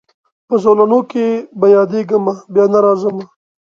په زولنو کي به یادېږمه بیا نه راځمه